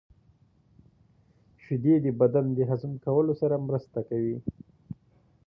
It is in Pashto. • شیدې د بدن د هضم کولو سره مرسته کوي.